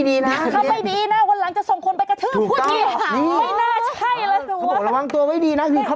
พี่ขับรถไปเจอแบบ